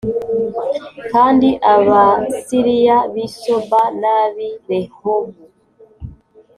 kandi Abasiriya b’i Soba n’ab’i Rehobu